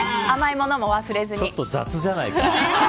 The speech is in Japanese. ちょっと雑じゃないかな。